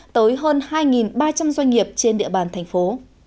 tới hơn hai ba trăm linh doanh nghiệp trên địa bàn thành phố